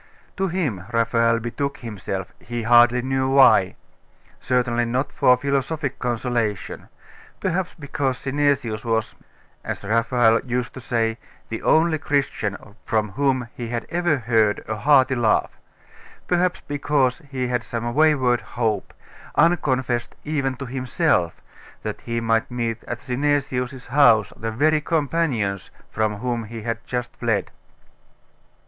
To him Raphael betook himself, he hardly knew why; certainly not for philosophic consolation; perhaps because Synesius was, as Raphael used to say, the only Christian from whom he had ever heard a hearty laugh; perhaps because he had some wayward hope, unconfessed even to himself, that he might meet at Synesius's house the very companions from whom he had just fled.